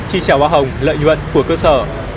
chi trả hoa hồng lợi nhuận của cơ sở